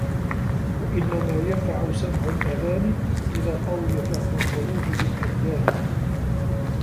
وَإِنَّمَا يَنْفَعُ سَمْعُ الْآذَانِ ، إذَا قَوِيَ فَهْمُ الْقُلُوبِ فِي الْأَبْدَانِ